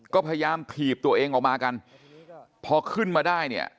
ก็พยายามถีบตัวเองออกมากันพอขึ้นมาได้เนี่ย